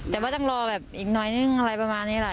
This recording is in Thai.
แต่ว่าต้องรอแบบอีกหน่อยนึงอะไรประมาณนี้แหละ